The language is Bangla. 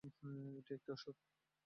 এটা একটা ওষুধ।